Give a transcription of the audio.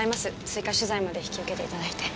追加取材まで引き受けていただいて。